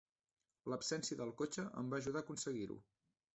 L'absència del cotxe em va ajudar a aconseguir-ho.